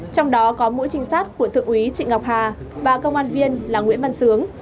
trong đó có mũi trinh sát của thượng úy trịnh ngọc hà và công an viên là nguyễn văn sướng